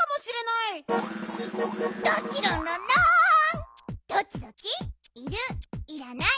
いらない。